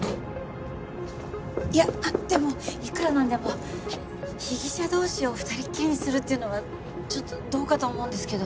いやでもいくらなんでも被疑者同士を２人っきりにするっていうのはちょっとどうかと思うんですけど。